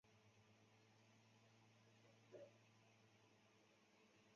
过后班尼为此而被逮捕。